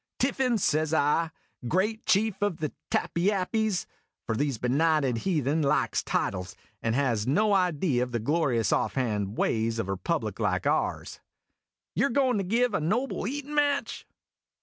"Tiffin," says I, "great Chief of the Tappyappies " (for these benighted heathen likes titles, and has no idee of the Morions off O *> hand ways of a republic like ours), "you 're goin' to give a noble eatin' match